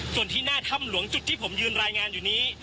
ส่วนที่หน้าถ้ำหลวงจุดที่ผมยืนรายงานอยู่นี้